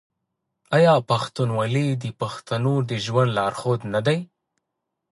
آیا پښتونولي د پښتنو د ژوند لارښود نه دی؟